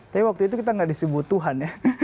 tapi waktu itu kita gak disebut tuhan ya